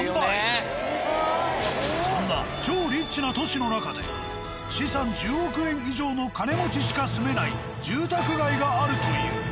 そんな超リッチな都市の中で資産１０億円以上の金持ちしか住めない住宅街があるという。